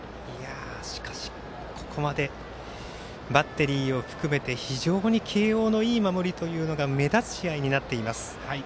しかしここまでバッテリーを含めて非常に慶応の、いい守りが目立つ試合になっています。